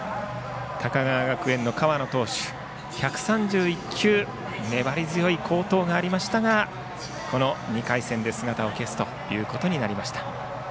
高川学園の河野投手、１３１球粘り強い好投がありましたが２回戦で姿を消しました。